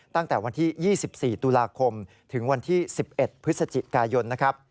ตั้งแต่วันที่๒๔ตุลาคมถึงวันที่๑๑พฤศจิกายนนะครับ